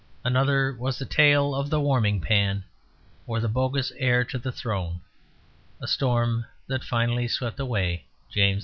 Another was the Tale of the Warming Pan, or the bogus heir to the throne, a storm that finally swept away James II.